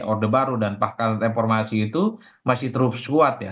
orde baru dan pakar reformasi itu masih terus kuat ya